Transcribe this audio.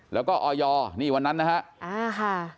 แล้วก็ออยนี่วันนั้นนะครับ